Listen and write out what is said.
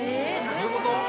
どういうこと？